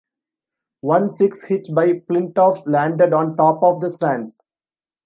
One six hit by Flintoff landed on top of the stands.